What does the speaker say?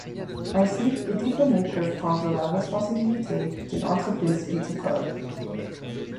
Ainsi, les diplômés peuvent prendre la responsabilité d’une entreprise viticole.